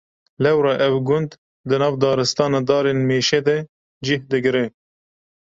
Lewra ev gund di nav daristana darên mêşe de cih digire.